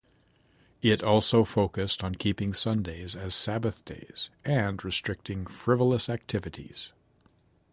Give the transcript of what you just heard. It also focused on keeping Sundays as Sabbath days and restrict frivolous activities.